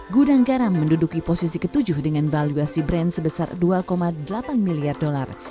gudang garam menduduki posisi ke tujuh dengan valuasi brand sebesar dua delapan miliar dolar